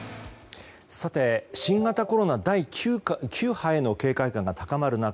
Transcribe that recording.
新型コロナ第９波への警戒感が高まる中